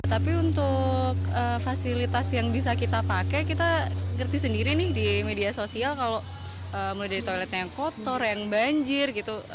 tapi untuk fasilitas yang bisa kita pakai kita ngerti sendiri nih di media sosial kalau mulai dari toiletnya yang kotor yang banjir gitu